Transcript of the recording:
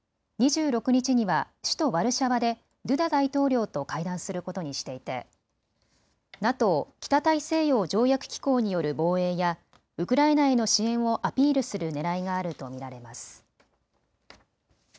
２６日には首都ワルシャワでドゥダ大統領と会談することにしていてＮＡＴＯ・北大西洋条約機構による防衛やウクライナへの支援をアピールするねらいがあると見られます。